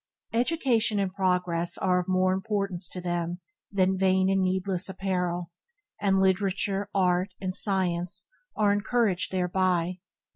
Education and progress are of more importance to them than vain and needless apparel; and literature, art, and science are encouraged thereby.